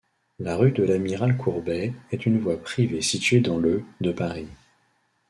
La rue de l'Amiral-Courbet est une voie privée située dans le de Paris.